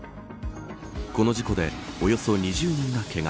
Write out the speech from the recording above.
この事故でおよそ２０人がけが。